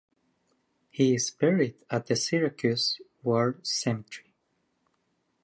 He is buried at the Syracuse War Cemetery.